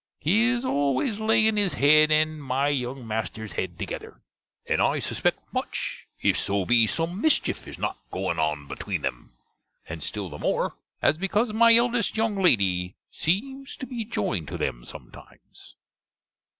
He is always laying his hedd and my young master's hedd together; and I suspect much if so be some mischief is not going on between them: and still the more, as because my eldest younge lady seemes to be joined to them sometimes.